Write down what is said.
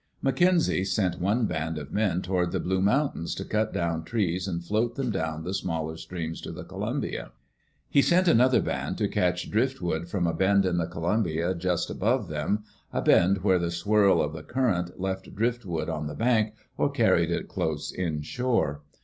McKenzie sent one band of men toward the Blue Moun tains to cut down trees and float them down the smaller streams to the Columbia. He sent another band to catch driftwood from a bend in the Columbia just above them, a bend where the swirl of the current left driftwood on the bank, or carried it close inshore.